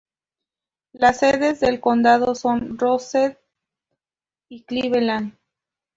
Las sedes del condado son Rosedale y Cleveland.